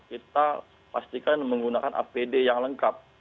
kita pastikan menggunakan apd yang lengkap